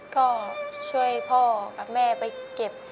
ก็ช่วยพ่อกับแม่ไปเก็บ